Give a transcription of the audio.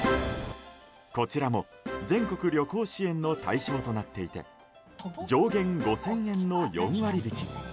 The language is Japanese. こちらも全国旅行支援の対象となっていて上限５０００円の４割引き。